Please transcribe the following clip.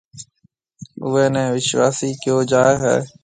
اُوئي نَي وِشواسي ڪهيَو جائي هيَ۔